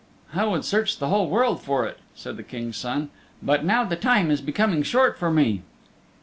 "I would search the whole world for it," said the King's Son. "But now the time is becoming short for me."